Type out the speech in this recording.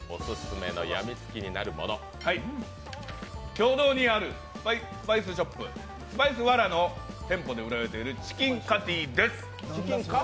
経堂にあるスパイスショップ、スパイスワラの店舗で売られているチキンカティです。